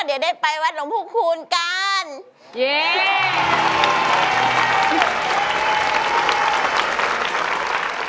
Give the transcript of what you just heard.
เดี๋ยวได้ไปวัดหลวงผู้คูณกัน